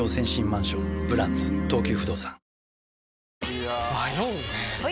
いや迷うねはい！